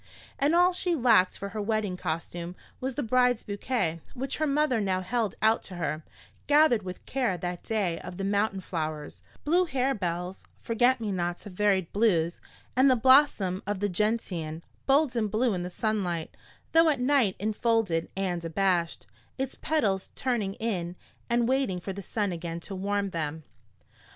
And all she lacked for her wedding costume was the bride's bouquet, which her mother now held out to her, gathered with care that day of the mountain flowers blue harebells, forget me nots of varied blues and the blossom of the gentian, bold and blue in the sunlight, though at night infolded and abashed, its petals turning in and waiting for the sun again to warm them.